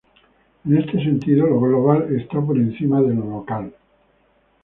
En este sentido, lo global está por encima de lo local.